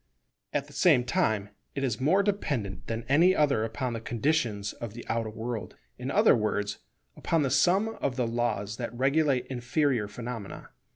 At the same time it is more dependent than any other upon the conditions of the outer world; in other words, upon the sum of the laws that regulate inferior phenomena.